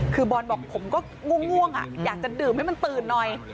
คือบอลบอกผมก็ง่วงอยากจะดื่มให้มันตื่นหน่อย